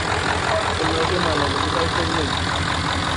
তোমরা কি মানবাধিকার কর্মী?